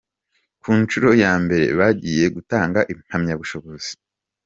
Ku nshuro ya mbere bagiye gutanga impamyabushobozi